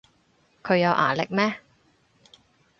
佢有牙力咩